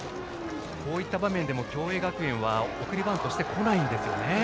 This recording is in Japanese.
こういった場面でも共栄学園は送りバントをしてこないですね。